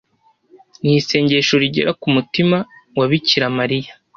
ni isengesho rigera ku mutima wa bikira mariya